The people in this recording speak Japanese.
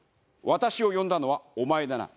私を呼んだのはお前だな？